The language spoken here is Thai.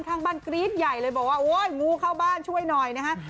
ข้างบ้านกรี๊ดใหญ่เลยบอกว่าโอ๊ยงูเข้าบ้านช่วยหน่อยนะฮะ